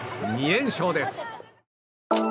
２連勝です。